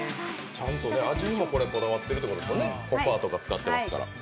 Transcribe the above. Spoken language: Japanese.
ちゃんと味にもこだわってるということですね、ココアとか使ってますから。